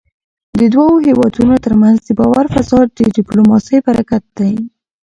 د دوو هېوادونو ترمنځ د باور فضا د ډيپلوماسی برکت دی .